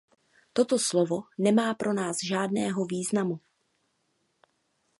Toto slovo nemá pro nás žádného významu.